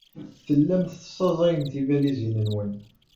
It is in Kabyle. Tellam tessaẓayem tibalizin-nwen.